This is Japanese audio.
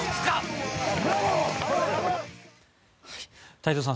太蔵さん